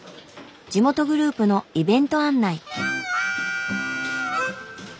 地元グループのイベント案内。